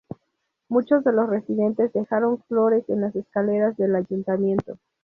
Muchos de los residentes dejaron flores en las escaleras del ayuntamiento.